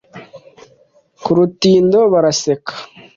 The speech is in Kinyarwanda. Ku rutindo baraseka